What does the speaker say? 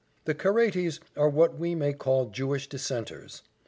"The Caraites are what we may call Jewish dissenters.